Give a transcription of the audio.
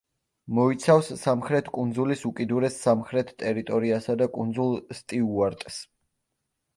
მოიცავს სამხრეთ კუნძულის უკიდურეს სამხრეთ ტერიტორიასა და კუნძულ სტიუარტს.